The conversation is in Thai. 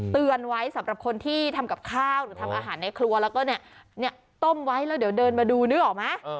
เตือนไว้สำหรับคนที่ทำกับข้าวหรือทำอาหารในครัวแล้วก็ต้มไว้แล้วเดี๋ยวเดินมาดูนึกออกไหม